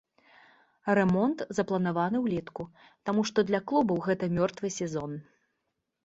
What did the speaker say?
Рамонт запланаваны ўлетку, таму што для клубаў гэта мёртвы сезон.